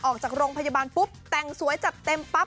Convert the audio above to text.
ออกจากโรงพยาบาลปุ๊บแต่งสวยจัดเต็มปั๊บ